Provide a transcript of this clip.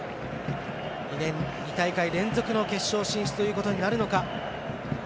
２大会連続の決勝進出ということになるのか。